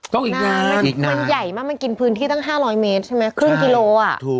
น้ำมันใหญ่มากมันกินพื้นที่ตั้ง๕๐๐เมตรใช่ไหมครึ่งกิโลอ่ะ